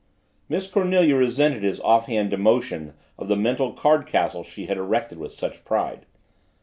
Miss Cornelia resented his offhand demolition of the mental card castle she had erected with such pride.